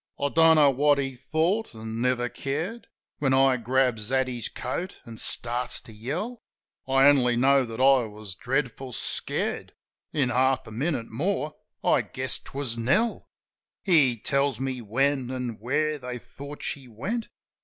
I don't know what he thought, an' never cared. When I grabs at his coat, an' starts to yell. I only know that I was dreadful scared. ... In half a minute more, I guessed 'twas Nell. He tells me when an' where they thought she went.